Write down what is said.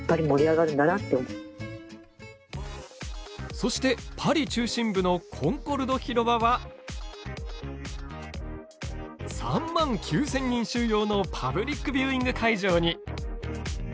そして、パリ中心部のコンコルド広場は３万９０００人収容のパブリックビューイング会場に。